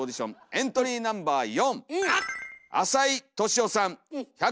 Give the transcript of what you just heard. エントリーナンバー４。